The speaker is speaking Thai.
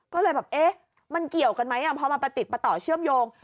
ก็เลยแบบเอ๊ะมันเกี่ยวกันไหมพอมาประติดประต่อเชื่อมโยง